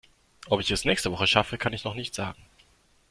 Ob ich es nächste Woche schaffe, kann ich noch nicht sagen.